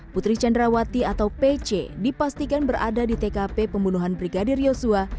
putri candrawati atau pc dipastikan berada di tkp pembunuhan brigadir yosua